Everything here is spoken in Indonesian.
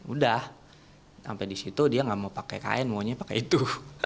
udah sampai di situ dia nggak mau pakai kain maunya pakai itu